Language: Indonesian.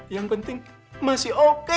yang penting masih oke